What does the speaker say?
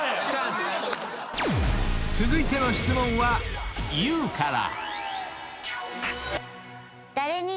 ［続いての質問はＹＯＵから］